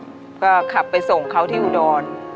แล้วก็ขับไปส่งเขาที่อุดร